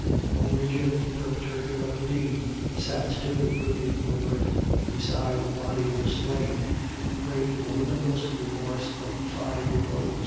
Only Jim, the perpetrator of the deed, sat still brooding over it beside the body of the slain, a prey to the limitless remorse of five years old.